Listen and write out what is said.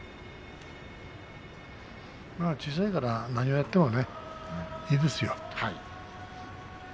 小さいからね何をやってもいいですよ。